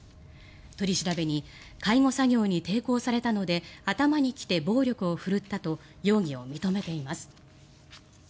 取り調べに介護作業に抵抗されたので頭にきて暴力を振るったと容疑を認めています。